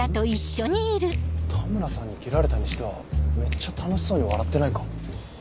田村さんに切られたにしてはめっちゃ楽しそうに笑ってないか？